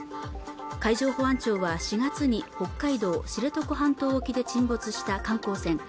海上保安庁は４月に北海道知床半島沖で沈没した観光船